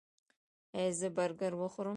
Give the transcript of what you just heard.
ایا زه برګر وخورم؟